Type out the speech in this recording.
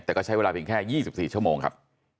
แต่ก็ใช้เวลาเพียงแค่ยี่สิบสี่ชั่วโมงครับ